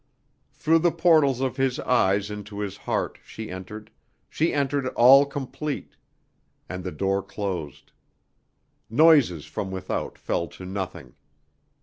Through the portals of his eyes into his heart she entered, she entered all complete; and the door closed. Noises from without fell to nothing.